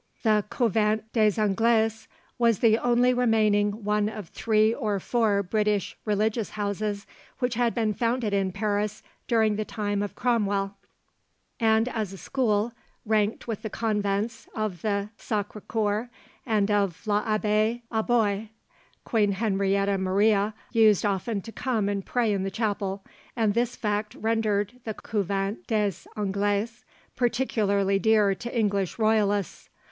The Couvent des Anglaises was the only remaining one of three or four British religious houses which had been founded in Paris during the time of Cromwell, and as a school, ranked with the convents of the Sacré Coeur and of l'Abbaye aux Bois. Queen Henrietta Maria used often to come and pray in the chapel, and this fact rendered the Couvent des Anglaises peculiarly dear to English royalists.